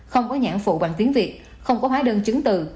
không có nhãn phụ bằng tiếng việt không có hóa đơn chứng từ